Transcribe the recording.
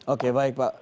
oke baik pak